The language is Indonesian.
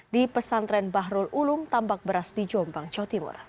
di pesantren bahrul ulum tambak beras di jombang jawa timur